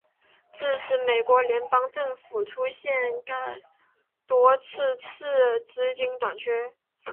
自此美国联邦政府出现廿多次次资金短缺。